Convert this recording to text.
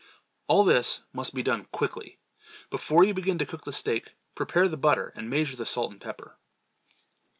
All this must be done quickly. Before you begin to cook the steak, prepare the butter and measure the salt and pepper.